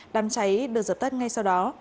đám cháy được dập tất ngay sau đó